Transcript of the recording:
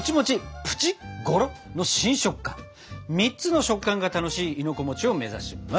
３つの食感が楽しい亥の子を目指します！